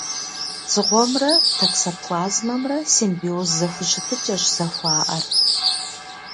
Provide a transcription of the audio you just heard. Дзыгъуэмрэ токсоплазмэмрэ симбиоз зэхущытыкӏэщ зэхуаӏэр.